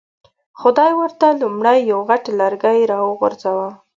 خدای ورته لومړی یو غټ لرګی را وغورځاوه.